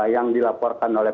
yang dilaporkan oleh